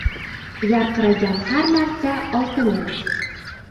• Yarqiragan har narsa oltin emas.